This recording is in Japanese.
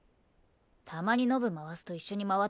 たまにノブ回すと一緒に回って開くけど。